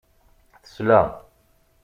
Tesla.